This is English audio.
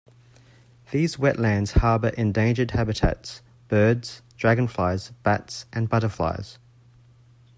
These wetlands harbour endangered habitats - birds, dragonflies, bats and butterflies.